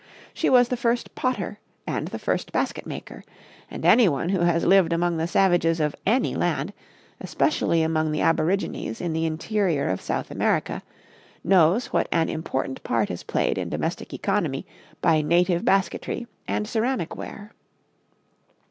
She was the first potter and the first basketmaker; and anyone who has lived among the savages of any land, especially among the aborigines in the interior of South America, knows what an important part is played in domestic economy by native basketry and ceramic ware.